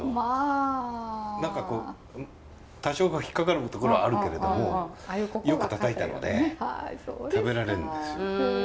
何かこう多少引っ掛かるところはあるけれどもよくたたいたので食べられるんですよ。